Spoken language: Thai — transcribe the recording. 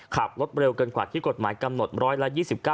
ขับรถเร็วเกินกว่าที่กฎหมายกำหนดร้อยละ๒๙